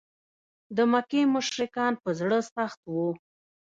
د مکې مشرکان په زړه سخت و.